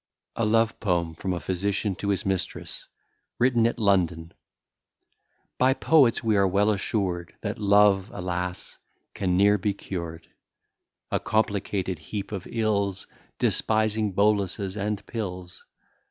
A LOVE POEM FROM A PHYSICIAN TO HIS MISTRESS WRITTEN AT LONDON By poets we are well assured That love, alas! can ne'er be cured; A complicated heap of ills, Despising boluses and pills.